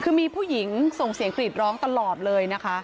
คือมีผู้หญิงส่งเสียงกรีดร้องตลอดเลยนะคะ